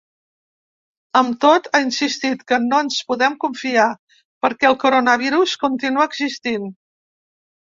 Amb tot, ha insistit que ‘no ens podem confiar’ perquè el coronavirus continua existint.